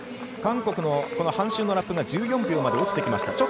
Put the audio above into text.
韓国の半周のラップが１４秒まで落ちていきました。